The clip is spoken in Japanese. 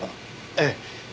ええ。